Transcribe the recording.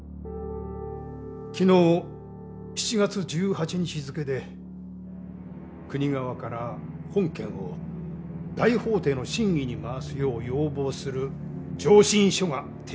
昨日７月１８日付で国側から本件を大法廷の審議に回すよう要望する「上申書」が提出されました。